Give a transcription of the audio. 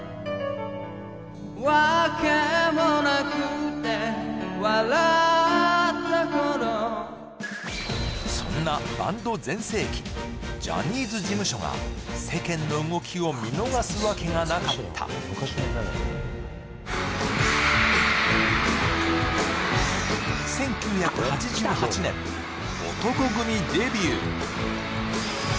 わけもなくて笑った頃そんなバンド全盛期ジャニーズ事務所が世間の動きを見逃すわけがなかった１９８８年男闘呼組デビュー